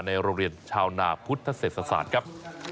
ในโรงเรียนชาวนาพุทธเศรษฐศาสตร์ครับ